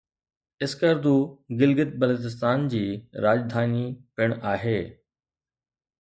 اسڪردو گلگت بلتستان جي راڄڌاني پڻ آهي.